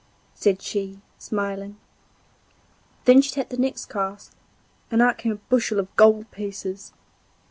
said she smiling. Then she tapped the next cask, and out came a bushel of gold pieces.